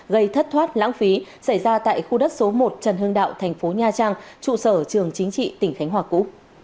gây thất thoát lãng phí xảy ra tại khu đất số một trần hưng đạo thành phố nha trang trụ sở trường chính trị tỉnh khánh hòa cũ